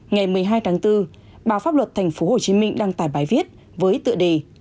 ngày một mươi hai tháng bốn báo pháp luật tp hcm đăng tải bài viết với tựa đề